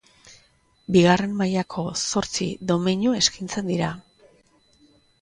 Bigarren mailako zortzi domeinu eskaintzen dira.